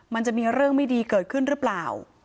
มันจะมีเรื่องไม่ดีเกิดขึ้นหรือเปล่า